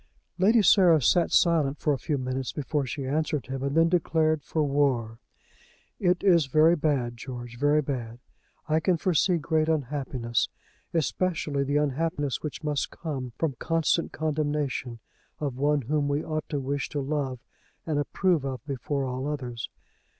Lady Sarah sat silent for a few minutes before she answered him, and then declared for war. "It is very bad, George; very bad. I can foresee great unhappiness; especially the unhappiness which must come from constant condemnation of one whom we ought to wish to love and approve of before all others.